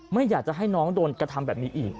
ไม่อยากจะให้น้องโดนกระทำแบบนี้อีก